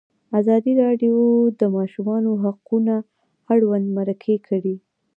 ازادي راډیو د د ماشومانو حقونه اړوند مرکې کړي.